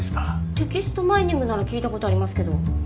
テキストマイニングなら聞いた事ありますけど。